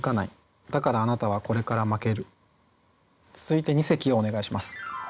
続いて二席をお願いします。